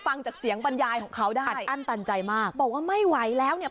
ฟังจากเสียงบรรยายของเขาได้อัดอั้นตันใจมากบอกว่าไม่ไหวแล้วเนี่ย